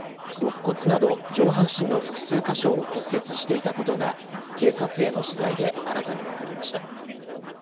ろっ骨など、上半身の複数箇所を骨折していたことが警察への取材で新たに分かりました。